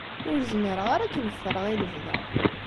Ur zmireɣ ara ad kem-ffreɣ i lebda.